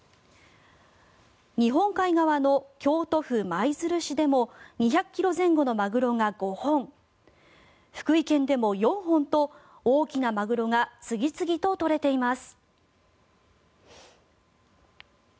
日本海側の京都府舞鶴市でも２００ｋｇ前後のマグロが５本福井県でも４本と大きなマグロが次々と取れています。